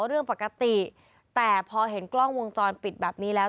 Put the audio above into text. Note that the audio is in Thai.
เรื่องปกติแต่พอเห็นกล้องวงจรปิดแบบนี้แล้ว